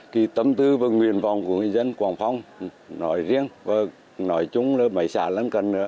cái tâm tư và nguyện vọng của người dân quảng phong nói riêng và nói chung là mấy xã lân cận nữa